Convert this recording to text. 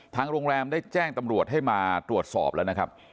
ทางโรงแรมได้แจ้งตำรวจให้มาตรวจสอบแล้วนะครับ